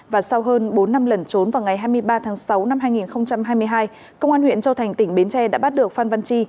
và sau hơn bốn năm lẩn trốn vào ngày hai mươi ba tháng sáu năm hai nghìn hai mươi hai công an huyện châu thành tỉnh bến tre đã bắt được phan văn chi